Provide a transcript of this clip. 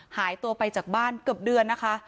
หายตัวไปจากบ้านเกือบเดือนนะคะ